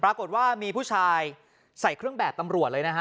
ปรากฏว่ามีผู้ชายใส่เครื่องแบบตำรวจเลยนะฮะ